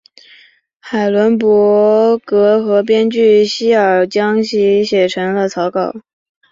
海伦伯格和编剧希尔将其写成了草稿。